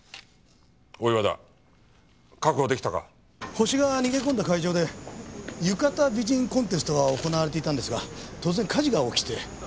ホシが逃げ込んだ会場で浴衣美人コンテストが行われていたんですが突然火事が起きて。